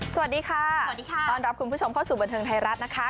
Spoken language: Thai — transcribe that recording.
สวัสดีค่ะสวัสดีค่ะต้อนรับคุณผู้ชมเข้าสู่บันเทิงไทยรัฐนะคะ